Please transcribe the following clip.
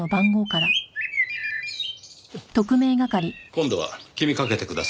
今度は君掛けてください。